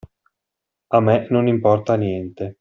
A me non importa niente.